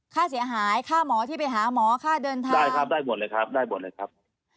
ค่าเสียหายค่าหมอที่ไปหาหมอค่าเดินทางได้ครับได้หมดเลยครับได้หมดเลยครับ